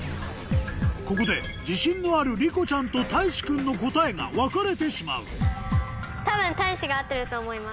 ここで自信のあるりこちゃんとたいし君の答えが分かれてしまう多分。